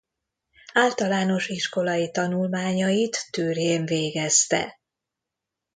Általános iskolai tanulmányait Türjén végezte.